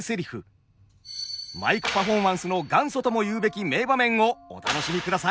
マイクパフォーマンスの元祖ともいうべき名場面をお楽しみください。